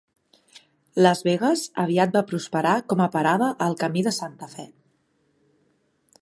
Las Vegas aviat va prosperar com a parada al camí de Santa fe.